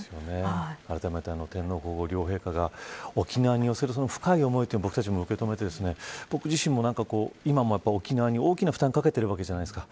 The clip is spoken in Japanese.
あらためて、天皇皇后両陛下が沖縄に寄せる深い思いを僕たちも受け止めて僕自身も今も沖縄に大きな負担をかけているわけじゃないですか。